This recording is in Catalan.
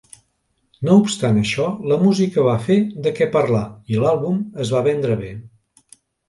No obstant això, la música va fer de què parlar i l'àlbum es va vendre bé.